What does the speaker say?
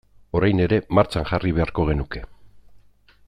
Orain ere martxan jarri beharko genuke.